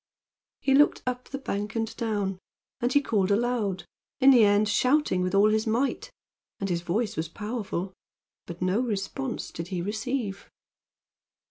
He looked up the bank and down, and he called aloud, in the end shouting with all his might and his voice was powerful but no response did he receive.